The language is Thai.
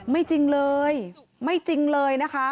จริงเลยไม่จริงเลยนะคะ